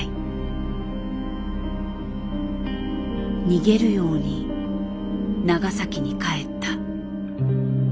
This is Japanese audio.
逃げるように長崎に帰った。